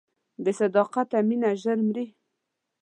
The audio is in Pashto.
بې صداقته مینه ژر مري.